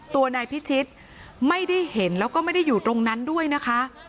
ตัวนายพิชิตไม่ได้เห็นแล้วก็ไม่ได้อยู่ตรงนั้นด้วยนะคะ